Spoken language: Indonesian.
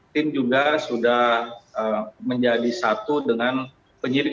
tim juga sudah menjadi satu dengan penyidik